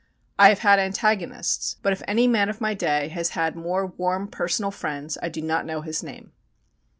I have had antagonists; but if any man of my day has had more warm personal friends I do not know his name.